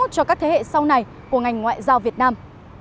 cho các thế hệ sau này của ngành ngoại giao việt nam